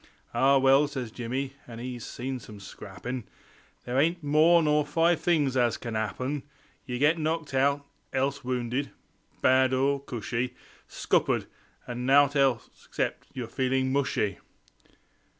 "Ah well," says Jimmy, an' 'e's seen some scrappin' "There ain't more nor five things as can 'appen; Ye get knocked out; else wounded bad or cushy; Scuppered; or nowt except yer feeling mushy."